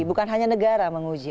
bukan hanya negara menguji